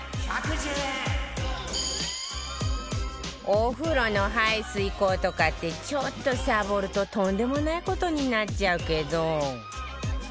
お風呂の排水口とかってちょっとさぼるととんでもない事になっちゃうけど